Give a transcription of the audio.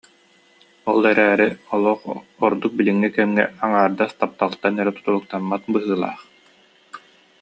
Ол эрээри олох, ордук билиҥҥи кэмҥэ, аҥаардас тапталтан эрэ тутулуктаммат быһыылаах